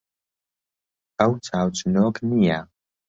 ئەو چاوچنۆک نییە.